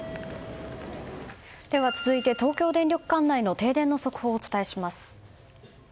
続いて東京電力管内の停電の速報をお伝えします。